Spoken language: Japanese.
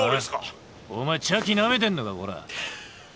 あ？お前茶器なめてんのかこら！